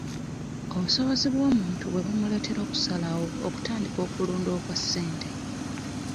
Obusobozi bw'omuntu bwe bumuleetera okusalawo okutandika okulunda okwa ssente.